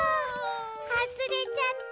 はずれちゃった。